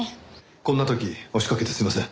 こんな時押しかけてすいません。